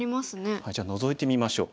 じゃあノゾいてみましょう。